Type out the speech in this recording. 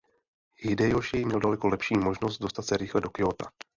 Hidejoši měl daleko lepší možnost dostat se rychle do Kjóta.